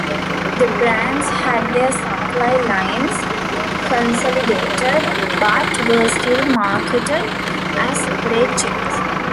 The brands had their supply lines consolidated, but were still marketed as separate chains.